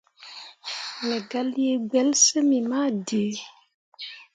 Me gah lii gbelsyimmi ma dǝǝ.